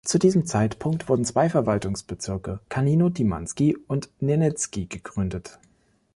Zu diesem Zeitpunkt wurden zwei Verwaltungsbezirke, Kanino-Timanski und Nenezki gegründet.